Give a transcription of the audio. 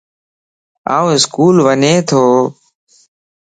آن اسڪول وڃين تو